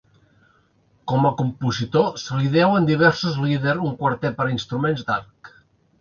Com a compositor se li deuen diversos lieder un quartet per a instruments d'arc.